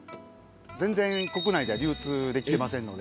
全然国内では流通できてませんので。